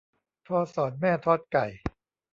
พ่อสอนแม่ทอดไก่